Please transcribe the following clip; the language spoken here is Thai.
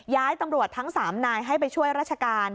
ย้ายตำรวจทั้ง๓นายให้ไปช่วยราชการ